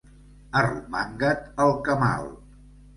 Arromanga't el camal!